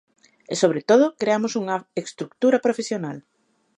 E sobre todo, creamos unha estrutura profesional.